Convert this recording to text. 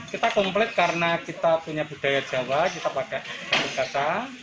kita komplit karena kita punya budaya jawa kita pakai kaca